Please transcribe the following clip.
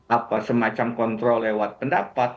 apa semacam kontrol lewat pendapat